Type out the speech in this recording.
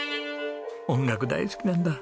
音楽大好きなんだ！